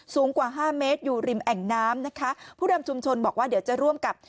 สูงกว่าห้าเมตรอยู่ริมแอ่งน้ำนะคะผู้นำชุมชนบอกว่าเดี๋ยวจะร่วมกับ